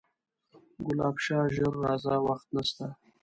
ګلاب شاه ژر راځه وخت نسته